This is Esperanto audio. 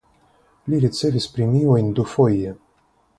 Li ricevis premiojn dufoje.